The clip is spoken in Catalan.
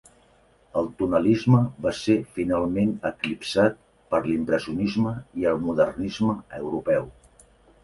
El tonalisme va ser finalment eclipsat per l'impressionisme i el modernisme europeu.